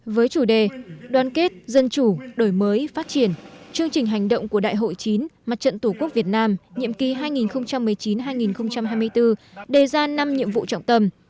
với chủ đề đoàn kết dân chủ đổi mới phát triển chương trình hành động của đại hội chín mặt trận tổ quốc việt nam nhiệm kỳ hai nghìn một mươi chín hai nghìn hai mươi bốn đề ra năm nhiệm vụ trọng tâm